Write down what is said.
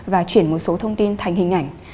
và chuyển một số thông tin thành hình ảnh